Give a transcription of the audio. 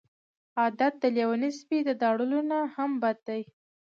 عادت د لیوني سپي د داړلو نه هم بد دی.